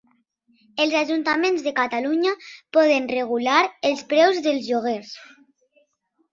Els ajuntaments de Catalunya poden regular els preus dels lloguers